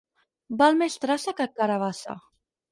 Val més traça que carabassa.